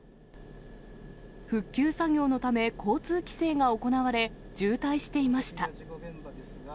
復旧作業のため、交通規制が行われ、渋滞していました。